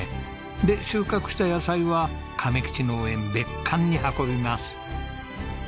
で収穫した野菜は亀吉農園別館に運びます。